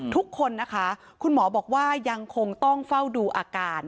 ทุกคนนะคะคุณหมอบอกว่ายังคงต้องเฝ้าดูอาการ